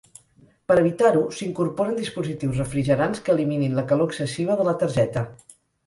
Per evitar-ho, s'incorporen dispositius refrigerants que eliminin la calor excessiva de la targeta.